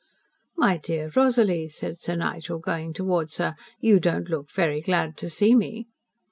"My dear Rosalie," said Sir Nigel, going towards her. "You don't look very glad to see me."